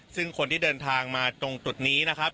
ซึ่งคนที่เดินทางมาตรงจุดนี้นะครับ